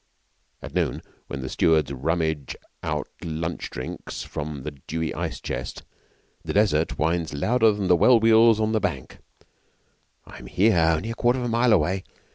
At noon, when the stewards rummage out lunch drinks from the dewy ice chest, the Desert whines louder than the well wheels on the bank: 'I am here, only a quarter of a mile away.